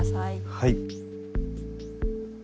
はい。